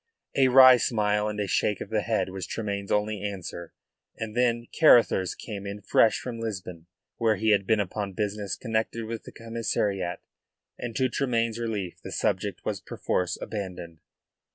A wry smile and a shake of the head was Tremayne's only answer; and then Carruthers came in fresh from Lisbon, where he had been upon business connected with the commissariat, and to Tremayne's relief the subject was perforce abandoned.